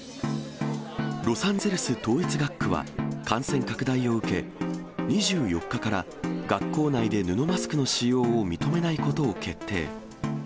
ロサンゼルス統一学区は、感染拡大を受け、２４日から学校内で布マスクの使用を認めないことを決定。